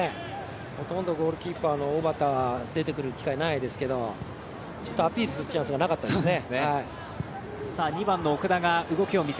ほとんどゴールキーパーの小畑、出てくる機会がないですけどちょっとアピールするチャンスがなかったですよね。